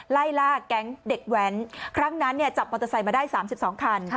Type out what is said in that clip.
ไล่ล่าแก๊งเด็กแว้นครั้งนั้นจับมอเตอร์ไซค์มาได้๓๒คัน